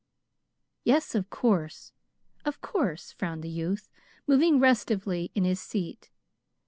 "Yes, of course, of course," frowned the youth, moving restively in his seat.